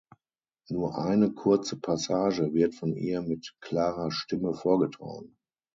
Nur eine kurze Passage wird von ihr mit klarer Stimme vorgetragen.